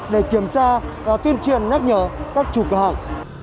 để kiểm tra và tuyên truyền nhắc nhở các chủ cửa hàng